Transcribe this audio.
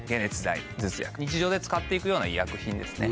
日常で使って行くような医薬品ですね。